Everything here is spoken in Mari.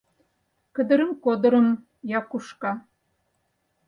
Кыдырым-кодырым, Якушка.